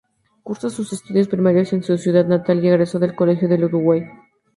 Cursó sus estudios primarios en su ciudad natal y egresó del Colegio del Uruguay.